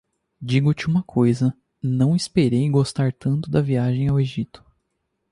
Digo-te uma coisa: não esperei gostar tanto da viagem ao Egipto.